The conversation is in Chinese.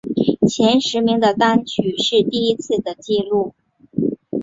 前十名的单曲是第一次的记录。